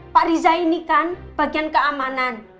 pak riza ini kan bagian keamanan